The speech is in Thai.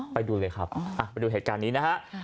ไปดูเลยครับไปดูเหตุการณ์นี้นะฮะ